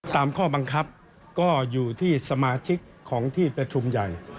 ตามข้อบังคับก็อยู่ที่สมาชิกของที่ประชุมใหญ่